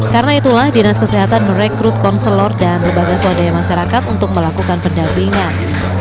karena itulah dinas kesehatan merekrut konselor dan berbagai swadaya masyarakat untuk melakukan pendampingan